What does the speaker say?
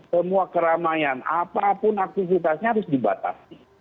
semua keramaian apapun aktivitasnya harus dibatasi